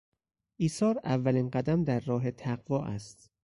ایثار اولین قدم در راه تقوا است.